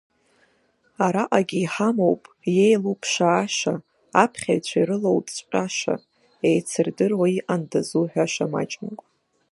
Араҟагьы иҳамоуп иеилуԥшааша, аԥхьаҩцәа ирылоурҵәаша, еицырдыруа иҟанда зуҳәаша маҷымкәа.